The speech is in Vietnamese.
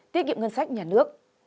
tiết kiệm ngân sách nhà nước